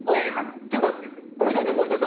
っていうかごめんなさいね森田さん